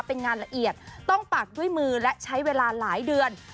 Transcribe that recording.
เป็นงานละเอียดต้องปักด้วยมือและใช้เวลาหลายเดือน